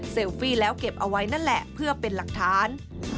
ฟี่แล้วเก็บเอาไว้นั่นแหละเพื่อเป็นหลักฐาน